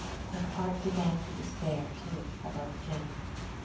Her heart began to despair, too, about Jem.